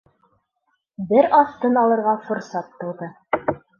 Бер аҙ тын алырға форсат тыуҙы.